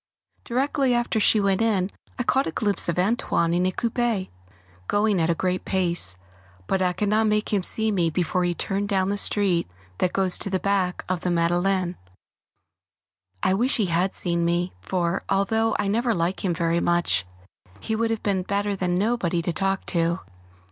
Directly after she went in I caught a glimpse of "Antoine" in a coupé, going at a great pace, but I could not make him see me before he had turned down the street that goes to the back of the Madeleine. I wish he had seen me, for, although I never like him very much, he would have been better than nobody to talk to.